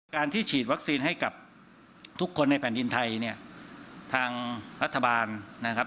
การที่ฉีดวัคซีนให้กับทุกคนในแผ่นดินไทยเนี่ยทางรัฐบาลนะครับ